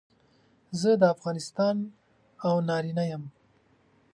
زه د افغانستان او نارینه یم.